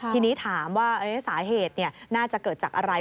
ทีนี้ถามว่าสาเหตุน่าจะเกิดจากอะไร